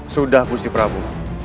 sudah gusti prabu